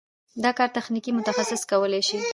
دا کار تخنیکي متخصصین کولی شي.